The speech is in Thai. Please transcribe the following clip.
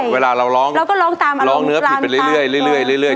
เราก็ร้องนื้อผิดเรื่อย